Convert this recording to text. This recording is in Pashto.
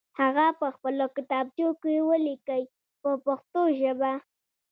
هغه په خپلو کتابچو کې ولیکئ په پښتو ژبه.